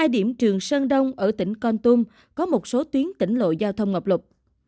hai điểm trường sơn đông ở tỉnh con tum có một số tuyến tỉnh lộ giao thông ngập lục